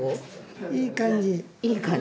いい感じ。